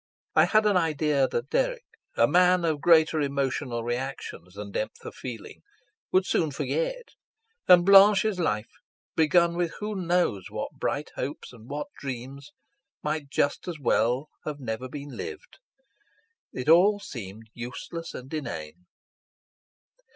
I had an idea that Dirk, a man of greater emotional reactions than depth of feeling, would soon forget; and Blanche's life, begun with who knows what bright hopes and what dreams, might just as well have never been lived. It all seemed useless and inane.